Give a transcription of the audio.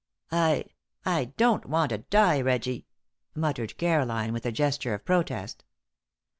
"I I don't want to die, Reggie," muttered Caroline, with a gesture of protest.